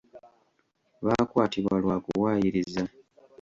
Baakwatibwa lwa kuwaayiriza.